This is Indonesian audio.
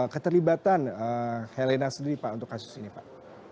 keterlibatan helena sendiri pak untuk kasus ini pak